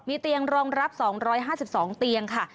เตียงรองรับ๒๕๒เตียงค่ะ